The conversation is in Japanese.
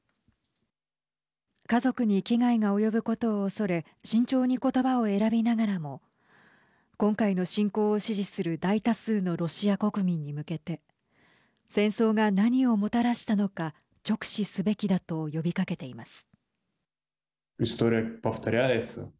家族に危害が及ぶことをおそれ慎重にことばを選びながらも今回の侵攻を支持する大多数のロシア国民に向けて戦争が何をもたらしたのか直視すべきだと呼びかけています。